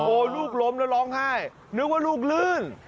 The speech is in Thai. โอ้โหลูกล้มแล้วร้องไห้นึกว่าลูกลื่น